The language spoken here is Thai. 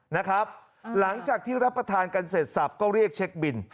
หลังจากที่รับประทานกันเสร็จสับก็เรียกเช็คบิน